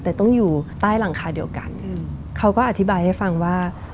แต่ต้องอยู่ใต้หลังคาเดียวกันเขาก็อธิบายให้ฟังว่า